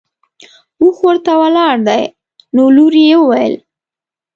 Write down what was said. اوښ ورته ولاړ دی نو لور یې وویل.